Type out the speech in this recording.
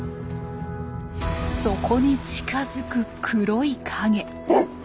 そこに近づく黒い影。